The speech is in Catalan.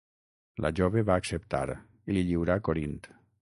La jove va acceptar i li lliurà Corint.